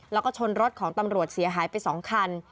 แล้วก็ชนรถของตำรวจเสียหายไป๒คัน